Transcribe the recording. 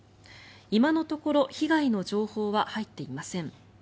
今のところ被害の情報は入っていません。